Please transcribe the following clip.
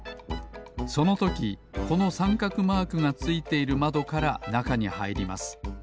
そのときこのさんかくマークがついているまどからなかにはいります。